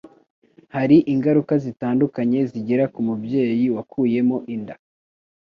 Hari ingaruka zitandukanye zigera ku mubyeyi wakuyemo inda